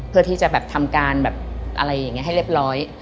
เพื่อที่จะแบบทำการแบบอะไรอย่างนี้ให้เรียบร้อย